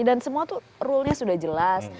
dan semua tuh rule nya sudah jelas